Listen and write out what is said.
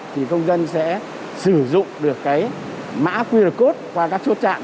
thì công dân sẽ sử dụng được cái mã qr code qua các chốt chạm